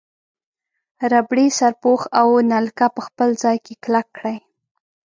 ربړي سرپوښ او نلکه په خپل ځای کې کلک کړئ.